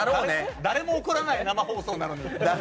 誰も怒らない生放送なので。